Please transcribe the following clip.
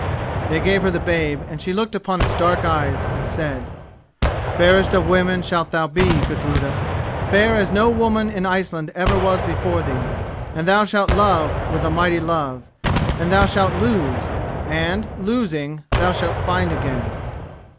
They gave her the babe and she looked upon its dark eyes and said: "Fairest of women shalt thou be, Gudruda—fair as no woman in Iceland ever was before thee; and thou shalt love with a mighty love—and thou shalt lose—and, losing, thou shalt find again."